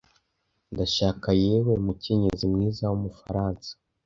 ndashaka yewe mukenyezi mwiza wumufaransa